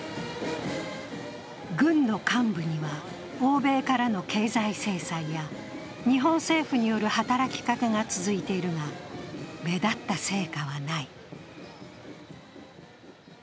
軍の幹部には、欧米からの経済制裁や日本政府による働きかけが続いているが目立った成果はない。